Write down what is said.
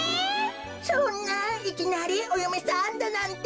そんないきなりおよめさんだなんて。